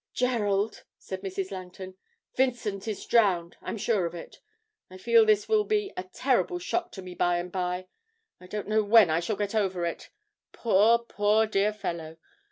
'Gerald,' said Mrs. Langton, 'Vincent is drowned I'm sure of it. I feel this will be a terrible shock to me by and by; I don't know when I shall get over it poor, poor dear fellow!